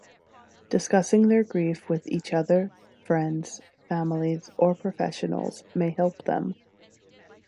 Discussing their grief with each other, friends, families, or professionals may help them.